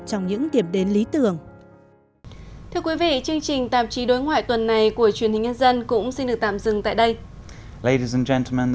trong những điểm đến lý tưởng